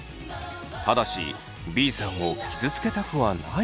ただしＢさんを傷つけたくはないそうです。